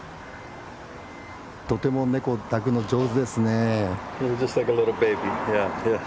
とてもネコを抱くの上手ですね。